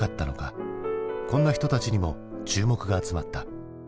こんな人たちにも注目が集まった。